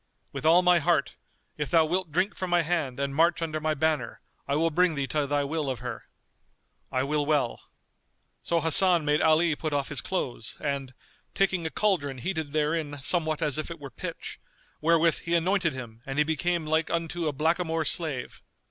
"With all my heart: if thou wilt drink from my hand and march under my banner, I will bring thee to thy will of her." "I will well." So Hasan made Ali put off his clothes; and, taking a cauldron heated therein somewhat as it were pitch, wherewith he anointed him and he became like unto a blackamoor slave.